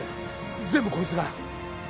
全部こいつが。